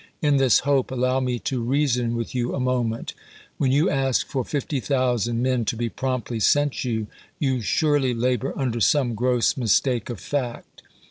In this hope allow me to reason with you a moment. When you ask for 50,000 men to be promptly sent you, you surely labor under some gross mistake of fact.